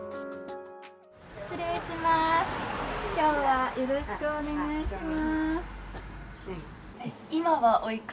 失礼します、今日はよろしくお願いします。